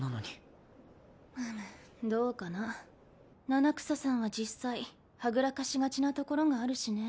七草さんは実際はぐらかしがちなところがあるしね。